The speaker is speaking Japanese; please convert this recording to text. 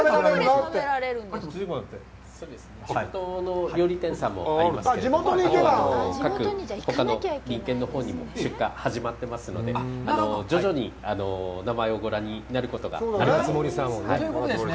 地元に料理店さんもありますけど、ほかの県のほうにも出荷が始まってますので、徐々に名前をご覧になることがあると思います。